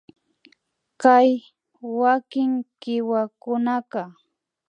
Kay wakin kiwakunaka